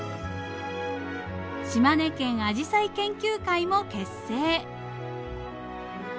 島根県アジサイ研究会も結成。